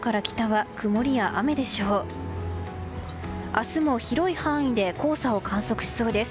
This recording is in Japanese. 明日も広い範囲で黄砂を観測しそうです。